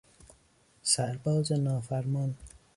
سرباز نافرمان